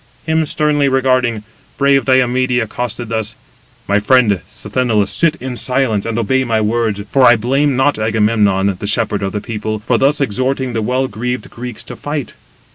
Him sternly regarding, brave Diomede accosted thus: "My friend 189 Sthenelus, sit in silence, and obey my words; for I blame not Agamemnon, the shepherd of the people, for thus exhorting the well greaved Greeks to fight.